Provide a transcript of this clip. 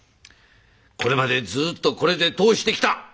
これまでずっとこれで通してきた！